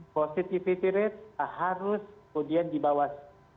positivity rate harus kemudian di bawah